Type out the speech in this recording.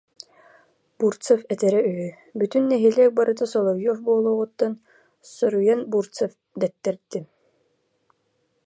Бурцев этэрэ үһү: «Бүтүн нэһилиэк барыта Соловьев буолуоҕуттан соруйан Бурцев дэттэрдим»